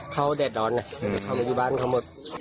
เขาแดดดอนเขาไปที่บ้านเขาหมด